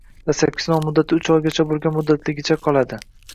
dastlabki sinov muddati uch oygacha bo‘lgan muddatligicha qoladi.